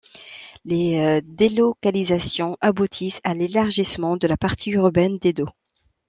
Les délocalisations aboutissent à l'élargissement de la partie urbaine d'Edo.